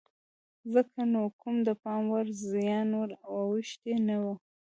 ځکه نو کوم د پام وړ زیان ور اوښتی نه و.